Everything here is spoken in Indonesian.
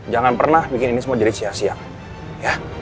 jangan pernah bikin ini semua jadi sia sia ya